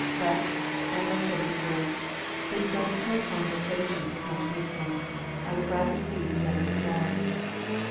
But, as I said before, this desultory conversation is not useful. I would rather see the Yellow Boudoir."